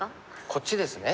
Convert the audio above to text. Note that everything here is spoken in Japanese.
こっちですね。